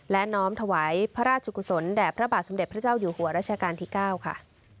และน้อมถวายพระราชกุศลแด่พระบาทสมเด็จพระเจ้าอยู่หัวรัชกาลที่๙ค่ะ